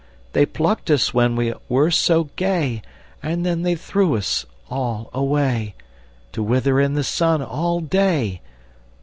They plucked us when we were so gay, And then they threw us all away To wither in the sun all day!